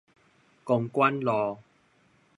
公舘路